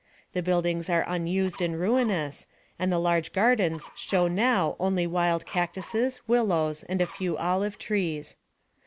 The buildings are unused and ruinous, and the large gardens show now only wild cactuses, willows, and a few olive trees.